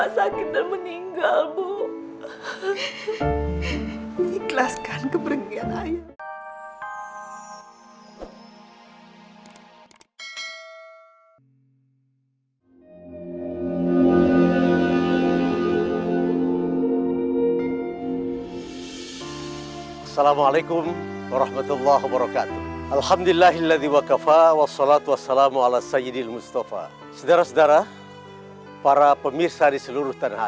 sampai jumpa di video selanjutnya